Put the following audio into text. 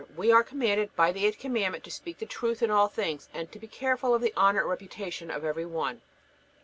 We are commanded by the eighth Commandment to speak the truth in all things and to be careful of the honor and reputation of every one.